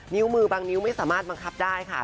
นิ้วมือบางนิ้วไม่สามารถบังคับได้ค่ะ